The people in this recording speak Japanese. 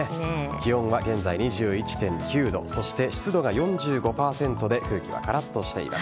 気温は現在２１．９度そして湿度が４５％で空気はカラッとしています。